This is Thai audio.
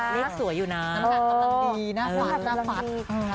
เลขสวยอยู่น้ำน้ำหนักกำลังดีน่าฝันน่าฝัน